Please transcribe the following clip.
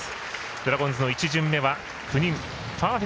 ドラゴンズの１巡目は９人。